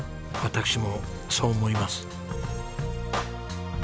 私もそう思います。